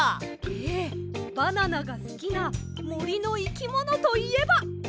ええバナナがすきなもりのいきものといえば。